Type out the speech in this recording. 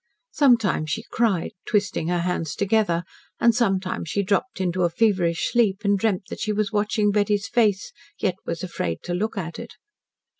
Sometimes she cried, twisting her hands together, and sometimes she dropped into a feverish sleep, and dreamed that she was watching Betty's face, yet was afraid to look at it.